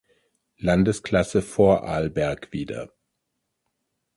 Landesklasse Vorarlberg wieder.